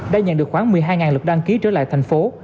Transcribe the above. đã nhận được khoảng một mươi hai lượt đăng ký trở lại thành phố